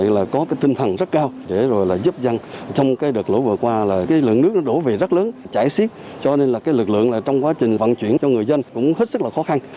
lực lượng nước đổ về rất lớn chảy xiếc cho nên lực lượng trong quá trình vận chuyển cho người dân cũng hết sức là khó khăn